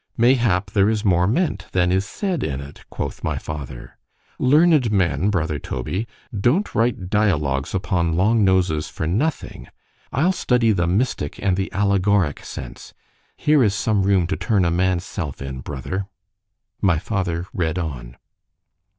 Mayhap there is more meant, than is said in it, quoth my father.——Learned men, brother Toby, don't write dialogues upon long noses for nothing.——I'll study the mystick and the allegorick sense——here is some room to turn a man's self in, brother. My father read on.